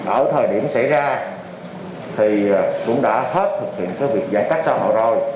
ở thời điểm xảy ra thì cũng đã hết thực hiện việc giãn cách xã hội rồi